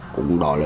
cũng đó là